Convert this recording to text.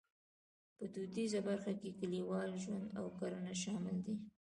په دودیزه برخه کې کلیوالي ژوند او کرنه شامل دي.